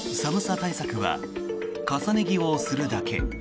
対策は重ね着をするだけ。